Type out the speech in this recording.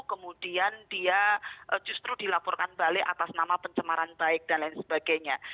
kemudian dia justru dilaporkan balik atas nama pencemaran baik dan lain sebagainya